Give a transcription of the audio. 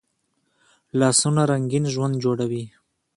لاسونه رنګین ژوند جوړوي